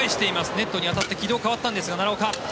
ネットに当たって軌道が変わったんですが奈良岡。